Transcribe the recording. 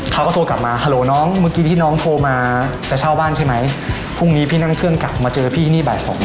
เขาก็โทรกลับมาฮัลโหลน้องเมื่อกี้ที่น้องโทรมาจะเช่าบ้านใช่ไหมพรุ่งนี้พี่นั่งเครื่องกลับมาเจอพี่นี่บ่ายสอง